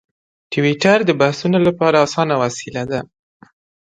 ټویټر د بحثونو لپاره اسانه وسیله ده.